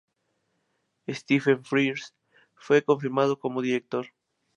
Stephen Frears fue confirmado como director.